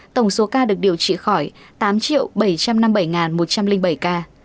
tổng số ca được điều trị khỏi tám bảy trăm năm mươi bảy một trăm linh bảy ca